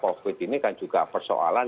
covid ini kan juga persoalan